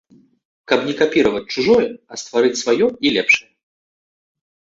Каб не капіраваць чужое, а стварыць сваё і лепшае.